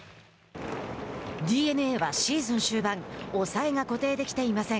ＤｅＮＡはシーズン終盤抑えが固定できていません。